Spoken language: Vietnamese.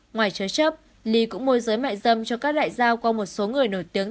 ngoài chứa chấp ly cũng môi giới mại dâm cho các đại giao qua một số người nổi tiếng